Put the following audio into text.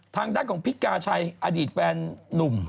ทางด้านของพิกาชัยอดีตแฟนนุ่ม